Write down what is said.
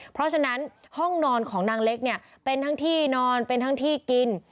เพราะฉะนั้นห้องนอนของนางเล็กเนี่ยเป็นทั้งที่นอนเป็นทั้งที่กิน